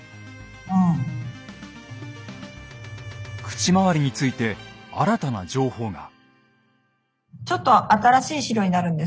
口周りについて新たな情報が。